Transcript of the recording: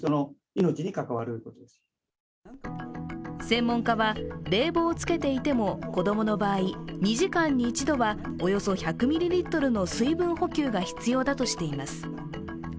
専門家は、冷房をつけていても、子供の場合、２時間に一度はおよそ１００ミリリットルの水分補給が必要だとしています。